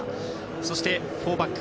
そして、４バック。